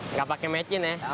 nggak pakai mecin ya